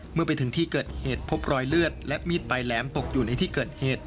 เมื่อไปถึงที่เกิดเหตุพบรอยเลือดและมีดปลายแหลมตกอยู่ในที่เกิดเหตุ